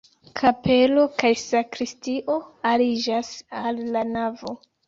Kapelo kaj sakristio aliĝas al la navo.